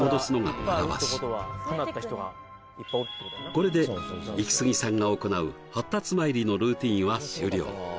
これでイキスギさんが行う初辰まいりのルーティンは終了